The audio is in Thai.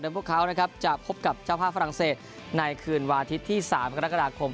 พวกเขานะครับจะพบกับเจ้าภาพฝรั่งเศสในคืนวันอาทิตย์ที่๓กรกฎาคม